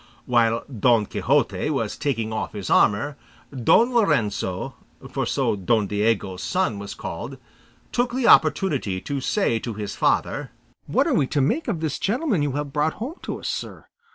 While Don Quixote was taking off his armour, Don Lorenzo (for so Don Diego's son was called) took the opportunity to say to his father, "What are we to make of this gentleman you have brought home to us, sir?